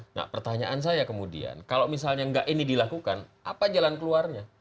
nah pertanyaan saya kemudian kalau misalnya nggak ini dilakukan apa jalan keluarnya